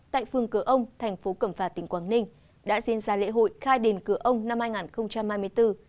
tại phường cửa ông thành phố cẩm phả tỉnh quảng ninh đã diễn ra lễ hội khai đền cửa ông năm hai nghìn hai mươi bốn